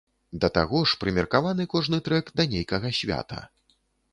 Да таго ж прымеркаваны кожны трэк да нейкага свята.